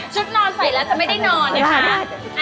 นอนใส่แล้วจะไม่ได้นอนนะคะ